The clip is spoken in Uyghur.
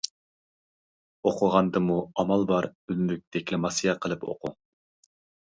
ئوقۇغاندىمۇ ئامال بار ئۈنلۈك دېكلاماتسىيە قىلىپ ئوقۇڭ.